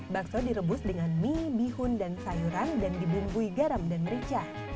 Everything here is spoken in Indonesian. bakso direbus dengan mie bihun dan sayuran dan dibumbui garam dan merica